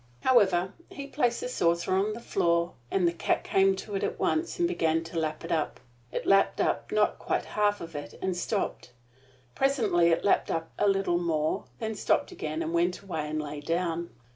However, he placed the saucer on the floor, and the cat came to it at once and began to lap it up. It lapped up not quite half of it, and stopped. Presently it lapped a little more; then stopped again and went away and lay down.